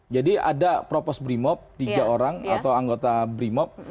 jadi ada propos brimob tiga orang atau anggota brimob